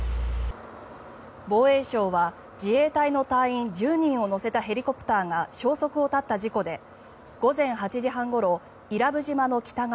防衛省は自衛隊の隊員１０人を乗せたヘリコプターが消息を絶った事故で午前８時半ごろ伊良部島の北側